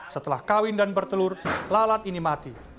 setelah kawin dan bertelur lalat ini mati